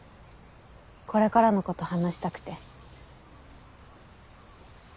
これからのこと話したくて。